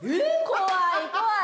怖い怖い。